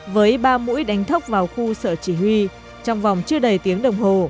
với ba mũi đánh thốc vào khu sở chỉ huy trong vòng chưa đầy tiếng đồng hồ